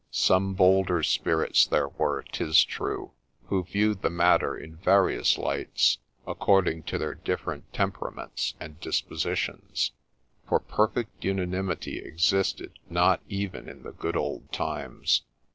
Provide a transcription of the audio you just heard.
Some bolder spirits there were, 'tis true, who viewed the matter in various lights, according to their different temperaments and dispositions ; for perfect unanimity existed not even in the good old times.